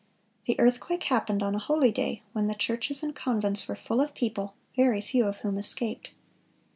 The earthquake happened on a holy day, when the churches and convents were full of people, very few of whom escaped."